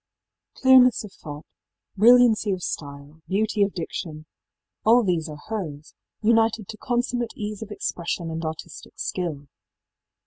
Clearness of thought, brilliancy of style, beauty of diction all these are hers, united to consummate ease of expression and artistic skill.